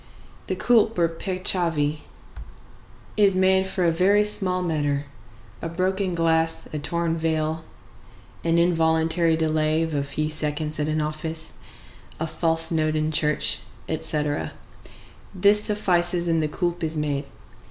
The coulpe or peccavi, is made for a very small matter—a broken glass, a torn veil, an involuntary delay of a few seconds at an office, a false note in church, etc.; this suffices, and the coulpe is made.